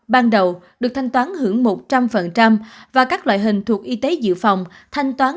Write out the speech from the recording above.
ban đầu được thanh toán hưởng một trăm linh và các loại hình thuộc y tế dự phòng thanh toán